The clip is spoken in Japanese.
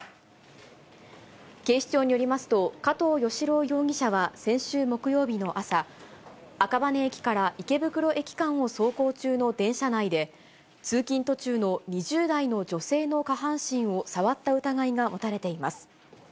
警視庁によりますと、加藤義郎容疑者は先週木曜日の朝、赤羽駅から池袋駅間を走行中の電車内で、通勤途中の２０代の女性の下半身を触った疑いが持たれています。